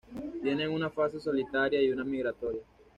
Tienen una fase solitaria y una migratoria.